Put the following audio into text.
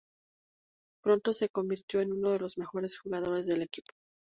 Pronto se convirtió en uno de los mejores jugadores del equipo.